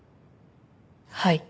はい。